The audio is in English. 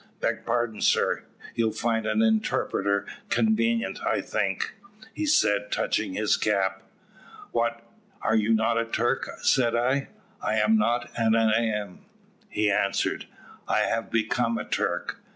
"`Beg pardon, sir, you'd find an interpreter convenient, I think,' he said, touching his cap. "`What, are you not a Turk?' said I. "`I am not and I am,' he answered; `I have become a Turk.'